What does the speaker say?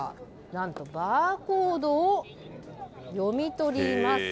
なんと、バーコードを読み取ります。